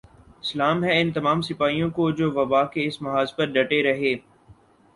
سلام ہے ان تمام سپاہیوں کو جو وبا کے اس محاذ پر ڈٹے رہے